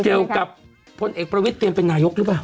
เกี่ยวกับพลเอกประวิทยเตรียมเป็นนายกหรือเปล่า